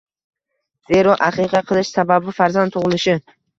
Zero, aqiqa qilish sababi – farzand tug‘ilishi.